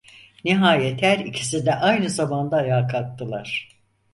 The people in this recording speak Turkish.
Nihayet her ikisi de aynı zamanda ayağa kalktılar.